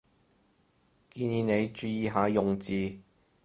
建議你注意下用字